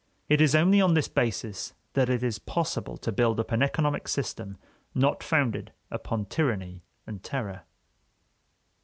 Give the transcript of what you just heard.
It is only on this basis that it is possible to build up an economic system not founded upon tyranny and terror.